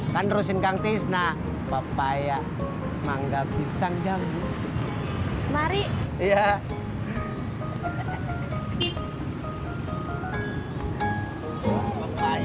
neng laras iya lite mau ke mana neng mau kuliah